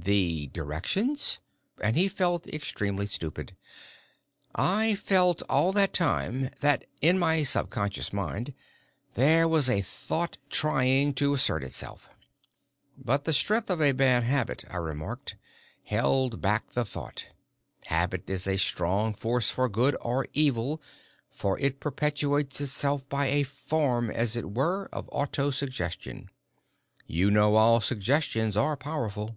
"The direction?" and he felt extremely stupid. "I felt all the time that in my sub conscious mind there was a thought trying to assert itself." "But the strength of a bad habit," I remarked, "held back the thought: habit is a strong force for good or evil, for it perpetuates itself by a form, as it were, of auto suggestion. You know all suggestions are powerful."